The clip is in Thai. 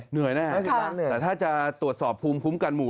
เหนื่อยนะครับแต่ถ้าจะตรวจสอบภูมิคุ้มการหมู่